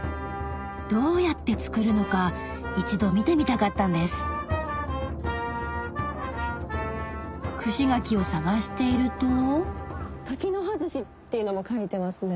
どうやって作るのか一度見てみたかったんです串柿を探していると「柿の葉ずし」っていうのも書いてますね。